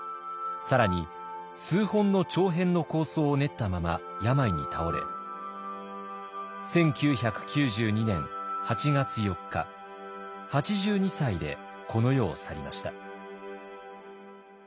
更に数本の長編の構想を練ったまま病に倒れ１９９２年８月４日８２歳でこの世を去りました。